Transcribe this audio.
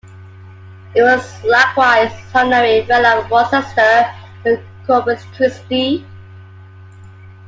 He was likewise honorary fellow of Worcester and Corpus Christi.